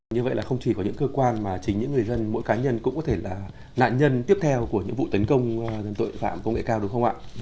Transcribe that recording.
như vậy là không chỉ có những cơ quan mà chính những người dân mỗi cá nhân cũng có thể là nạn nhân tiếp theo của những vụ tấn công tội phạm công nghệ cao đúng không ạ